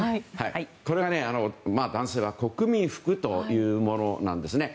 これは、男性は国民服というものなんですね。